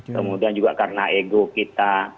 kemudian juga karena ego kita